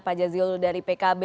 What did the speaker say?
pak jazil dari pkb